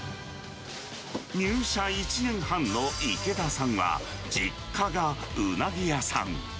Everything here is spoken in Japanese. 入社１年半の池田さんは、実家がウナギ屋さん。